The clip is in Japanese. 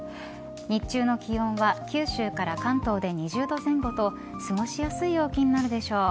日中の気温は九州から関東で２０度前後と過ごしやすい陽気になるでしょう。